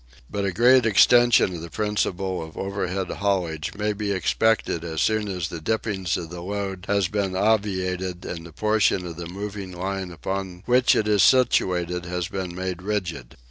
But a great extension of the principle of overhead haulage may be expected as soon as the dipping of the load has been obviated, and the portion of the moving line upon which it is situated has been made rigid.